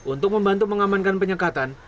untuk membantu mengamankan penyekatan